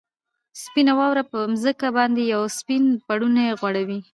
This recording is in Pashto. سپینه واوره پر مځکه باندې یو سپین پړونی غوړوي.